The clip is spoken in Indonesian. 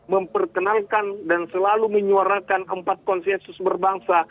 memperkenalkan dan selalu menyuarakan empat konsensus berbangsa